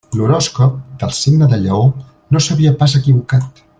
L'horòscop del signe de lleó no s'havia pas equivocat.